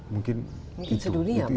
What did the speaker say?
mungkin sedunia bahkan